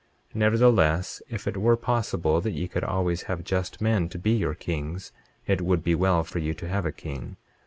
23:8 Nevertheless, if it were possible that ye could always have just men to be your kings it would be well for you to have a king.